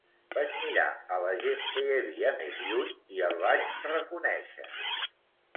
Vaig mirar a la gent que hi havia més lluny i el vaig reconèixer.